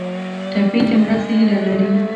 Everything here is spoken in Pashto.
ټپي د مرستې هیله لري.